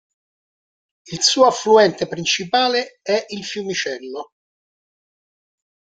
Il suo affluente principale è il Fiumicello.